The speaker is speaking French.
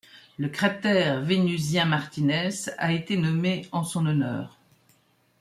Le cratère vénusien Martinez a été nommé en son honneur.